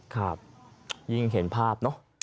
ครับยิ่งเห็นภาพเนอะ